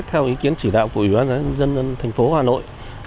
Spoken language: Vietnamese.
theo ý kiến chỉ đạo của ủy ban nhân dân thành phố hà nội